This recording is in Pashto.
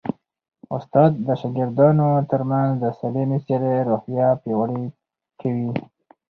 استاد د شاګردانو ترمنځ د سالمې سیالۍ روحیه پیاوړې کوي.